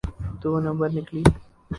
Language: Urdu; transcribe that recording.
دو نمبر نکلی۔